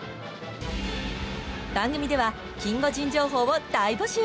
番組ではキンゴジン情報を大募集。